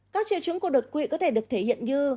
các triệu chứng của đột quỵ có thể được thể hiện như